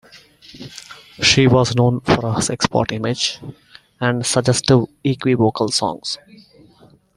She was known for her sexpot image and suggestive, equivocal songs.